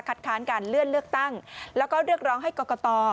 ค้านการเลื่อนเลือกตั้งแล้วก็เรียกร้องให้กรกต